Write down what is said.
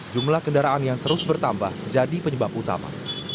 jumlah kendaraan yang terus bertambah jadi penyebab utama